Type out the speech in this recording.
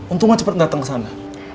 untung gak cepet dateng ke sana